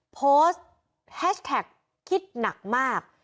โพสต์แฮชแท็กคิดหนักมาก